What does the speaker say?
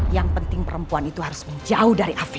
yang penting perempuan itu harus menjauh dari afif